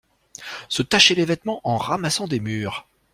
Se tâcher les vêtements en ramassant des mûres.